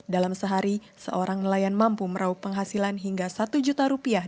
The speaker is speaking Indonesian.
dalam sehari seorang nelayan mampu meraup penghasilan hingga satu juta rupiah